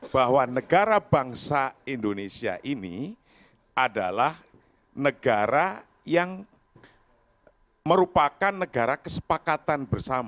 bahwa negara bangsa indonesia ini adalah negara yang merupakan negara kesepakatan bersama